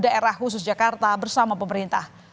daerah khusus jakarta bersama pemerintah